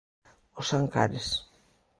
Os Ancares.